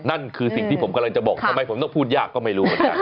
นั่นคือสิ่งที่ผมกำลังจะบอกทำไมผมต้องพูดยากก็ไม่รู้เหมือนกัน